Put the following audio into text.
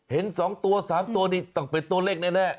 เห็นสองตัวสามตัวนี่ต้องเป็นตัวเลขนั่นแหละ